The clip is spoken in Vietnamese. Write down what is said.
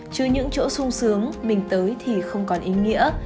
chứ những chỗ sung sướng mình tới thì không còn ý nghĩa